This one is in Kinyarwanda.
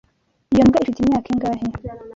Iyo mbwa ifite imyaka ingahe?